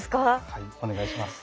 はいお願いします。